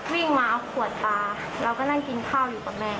วิ่งมาเอาขวดปลาเราก็นั่งกินข้าวอยู่กับแม่